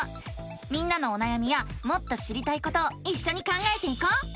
みんなのおなやみやもっと知りたいことをいっしょに考えていこう！